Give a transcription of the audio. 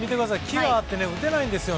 木があって打てないんです。